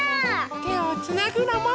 てをつなぐのも。